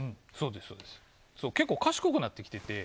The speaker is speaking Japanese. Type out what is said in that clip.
そう、結構賢くなってきてて。